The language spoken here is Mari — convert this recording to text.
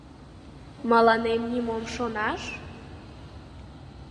— Мыланем нимом шонаш?